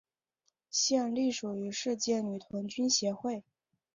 现隶属于世界女童军协会。